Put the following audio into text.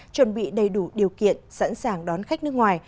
chuẩn bị đầy đủ điều kiện sẵn sàng đón khách nước ngoài